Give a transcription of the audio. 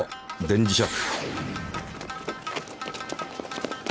電磁石！